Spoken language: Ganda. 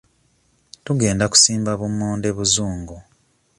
Tugenda kusimba bummonde buzungu.